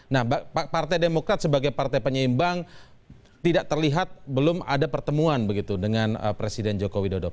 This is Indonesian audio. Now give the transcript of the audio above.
nah partai demokrat sebagai partai penyeimbang tidak terlihat belum ada pertemuan begitu dengan presiden joko widodo